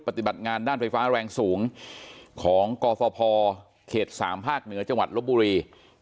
ปฏิบัติงานด้านไฟฟ้าแรงสูงของกฟภเขต๓ภาคเหนือจังหวัดลบบุรี